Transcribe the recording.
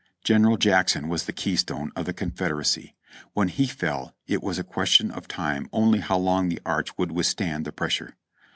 General Jackson was the keystone of the Confederacy; when he fell it was a question of time only how long the arch would withstand the pressure.